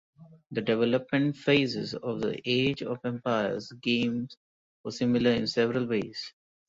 The development phases of the "Age of Empires" games were similar in several ways.